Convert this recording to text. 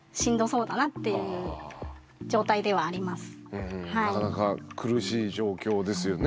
うんなかなか苦しい状況ですよね。